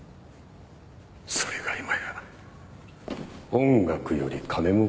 それが今や音楽より金儲けだ。